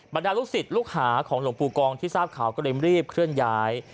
ดาลูกศิษย์ลูกหาของหลวงปู่กองที่ทราบข่าวก็เลยรีบเคลื่อนย้าย